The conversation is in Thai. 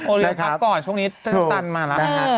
โอเลียงพักก่อนช่วงนี้เจ้าสันมาแล้ว